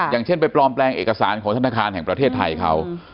อย่างเช่นไปปลอมแปลงเอกสารของธนาคารแห่งประเทศไทยเขา